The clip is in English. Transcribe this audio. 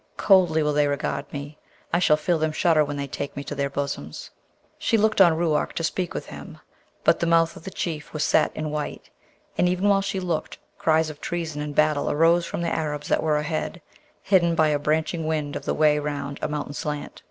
Coldly will they regard me; I shall feel them shudder when they take me to their bosoms.' She looked on Ruark to speak with him, but the mouth of the Chief was set and white; and even while she looked, cries of treason and battle arose from the Arabs that were ahead, hidden by a branching wind of the way round a mountain slant.